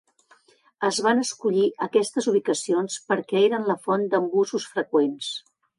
Es van escollir aquestes ubicacions perquè eren la font d'embussos freqüents.